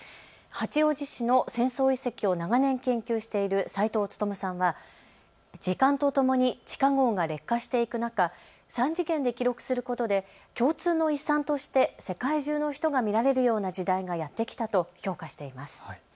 八王子市の戦争遺跡を長年、研究している齊藤勉さんは時間とともに地下ごうが劣化していく中、３次元で記録することで共通の遺産として世界中の人が見られるような時代がやって来たと評価しています。